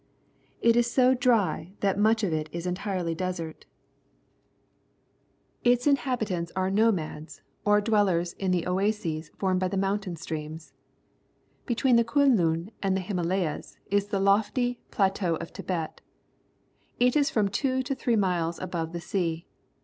It is^ so ^ry that much of it is entirely desert. 208 PUBLIC SCHOOL GEOGRAPHY Its inhabitants are nomads, or dwellers in the oases formed by the moiuitain streams. Be tween the Kuen lun and the Himalayas is the \ohy Plateau^ Tibet. It is from two to three miles above the sea.